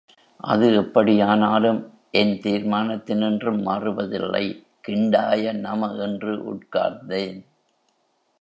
எது எப்படி ஆனாலும், என் தீர்மானத்தினின்றும் மாறுவதில்லை கிண்டாய நம என்று உட்கார்ந்தேன்.